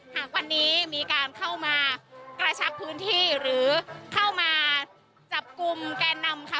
หากวันนี้มีการเข้ามากระชับพื้นที่หรือเข้ามาจับกลุ่มแกนนำค่ะ